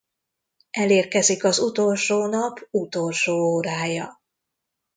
Elérkezik az utolsó nap utolsó órája.